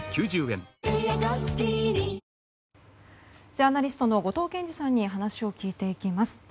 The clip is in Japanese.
ジャーナリストの後藤謙次さんに話を聞いていきます。